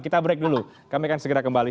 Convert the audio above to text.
kita break dulu kami akan segera kembali